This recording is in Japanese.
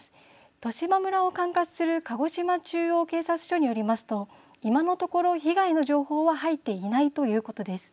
十島村を管轄する鹿児島中央警察署によりますと今のところ被害の情報は入っていないということです。